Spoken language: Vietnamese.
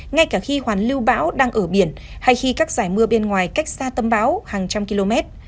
ngay cả khi hoàn lưu bão đang ở biển hay khi các giải mưa bên ngoài cách xa tâm bão hàng trăm km